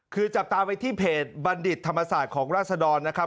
คือจับตาไปที่เพจบัณฑิตธรรมศาสตร์ของราศดรนะครับ